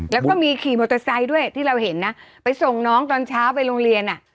แล้วก็มีขี่มอเตอร์ไซค์ด้วยที่เราเห็นนะไปส่งน้องตอนเช้าไปโรงเรียนอ่ะ